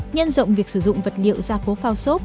nhân rộng việc sử dụng vật liệu gia cố phao xốp